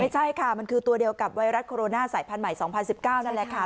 ใช่ค่ะมันคือตัวเดียวกับไวรัสโคโรนาสายพันธุใหม่๒๐๑๙นั่นแหละค่ะ